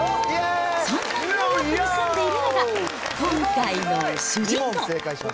そんなニューヨークに住んでいるのが、今回の主人公。